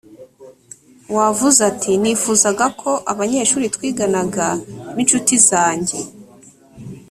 wavuze ati nifuzaga ko abanyeshuri twiganaga b incuti zanjye